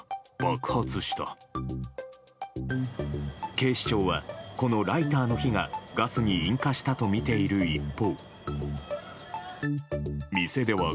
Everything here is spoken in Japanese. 警視庁は、このライターの火がガスに引火したとみている一方。